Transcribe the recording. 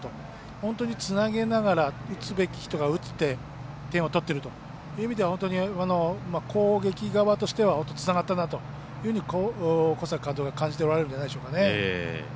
本当につなげながら打つべき人が打って点を取っているという意味では攻撃側としては、本当つながったなというふうに小坂監督は感じておられるんじゃないですかね。